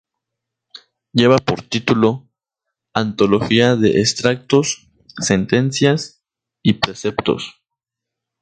Llevaba por título "Antología de extractos, sentencias y preceptos".